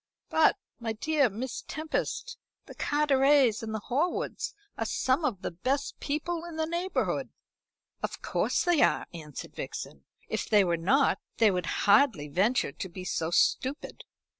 "But, my dear Miss Tempest, the Carterets and the Horwoods are some of the best people in the neighbourhood." "Of course they are," answered Vixen. "If they were not they would hardly venture to be so stupid.